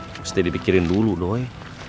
gak usah dipikirin dulu doi